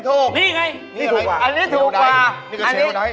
นี่ถูกกว่าเนี่ยเขาได